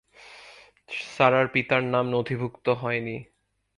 সারার পিতার নাম নথিভুক্ত হয়নি।